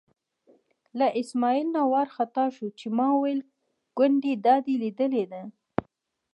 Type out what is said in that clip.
له اسمعیل نه وار خطا شو چې ما ویل ګوندې دا دې لیدلی دی.